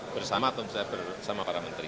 bersama tuan presiden bersama para menteri